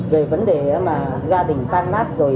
về vấn đề mà gia đình tan nát rồi